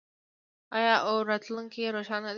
آیا او راتلونکی یې روښانه نه دی؟